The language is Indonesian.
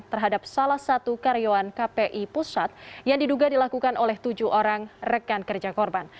terhadap salah satu karyawan kpi pusat yang diduga dilakukan oleh tujuh orang rekan kerja korban